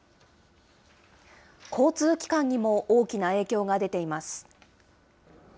交通機関にも大きな影響が出ています。